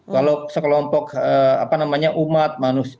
kalau sekelompok umat